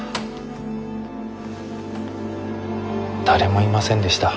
誰もいませんでした。